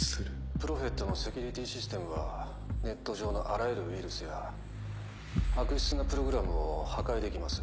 プロフェットのセキュリティーシステムはネット上のあらゆるウイルスや悪質なプログラムを破壊できます。